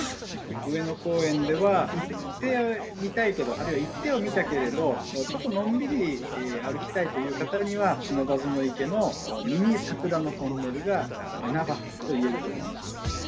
上野公園では、行ってみたいけれど、あるいは行ってはみたけれど、ちょっとのんびり歩きたいという方には、不忍池のミニ桜のトンネルが穴場といえると思います。